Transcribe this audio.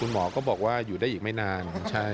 หมอก็บอกว่าอยู่ได้อีกไม่นาน